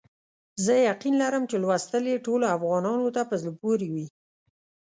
زه یقین لرم چې لوستل یې ټولو افغانانو ته په زړه پوري وي.